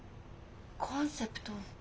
コンセプト？